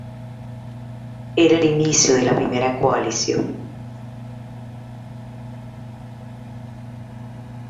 Era el inicio de la Primera Coalición.